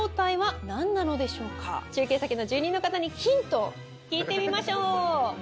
中継先の住人の方にヒントを聞いてみましょう。